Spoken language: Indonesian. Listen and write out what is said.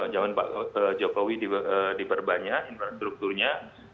zaman pak jokowi diperbanyak infrastrukturnya